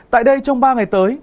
tại đây trong ba ngày tới